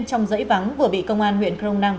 trong dãy vắng vừa bị công an huyện crong năng